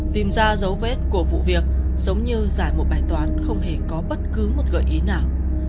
tìm ra dấu vết của vụ việc giống như giải một bài toán không hề có bất cứ một gợi ý nào